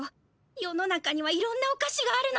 世の中にはいろんなおかしがあるのね。